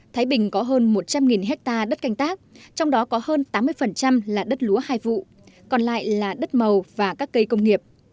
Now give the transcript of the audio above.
thái bình có hơn một trăm linh hectare đất canh tác trong đó có hơn tám mươi là đất lúa hai vụ còn lại là đất màu và các cây công nghiệp